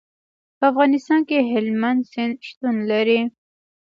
په افغانستان کې هلمند سیند شتون لري.